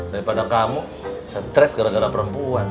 daripada kamu stres gara gara perempuan